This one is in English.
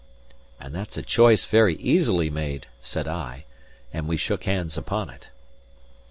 "And that's a choice very easily made," said I; and we shook hands upon it.